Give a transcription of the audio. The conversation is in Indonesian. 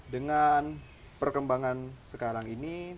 dengan perkembangan sekarang ini